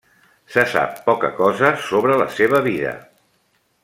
Se sap poca cosa sobre la seva vida.